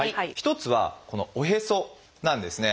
１つはこのおへそなんですね。